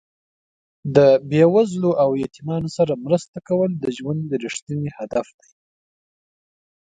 د بې وزلو او یتیمانو سره مرسته کول د ژوند رښتیني هدف دی.